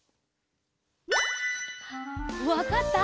わかった？